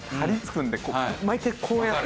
こう毎回こうやって。